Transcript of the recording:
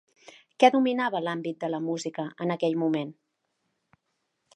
Què dominava l'àmbit de la música en aquell moment?